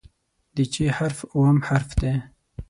د "چ" حرف اووم حرف دی.